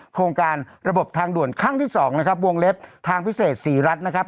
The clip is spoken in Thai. โครงการระบบทางด่วนครั้งที่สองนะครับวงเล็บทางพิเศษศรีรัฐนะครับ